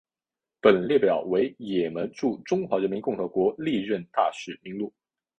本列表为也门驻中华人民共和国历任大使名录。